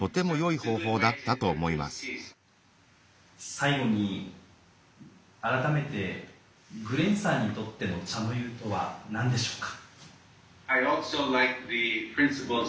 最後に改めてグレンさんにとっての茶の湯とは何でしょうか？